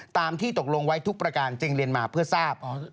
ตามที่ตกลงไว้ทุกประการจึงเรียนมาเพื่อทราบ